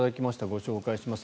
ご紹介します。